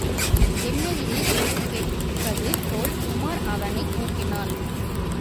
என்ன இது? என்று கேட்பது போல் உமார் அவனை நோக்கினான்.